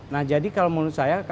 nah jadi kalau menurut saya